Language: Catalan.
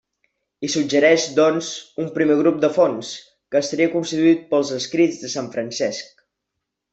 Hi suggereix, doncs, un primer grup de fonts, que estaria constituït pels escrits de sant Francesc.